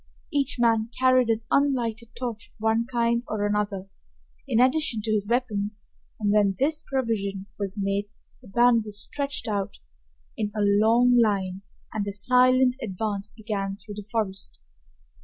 Each man carried an unlighted torch of one kind or another, in addition to his weapons, and when this provision was made the band was stretched out in a long line and a silent advance began through the forest.